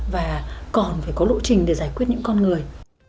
và còn phải có lộ trình để giải quyết những con người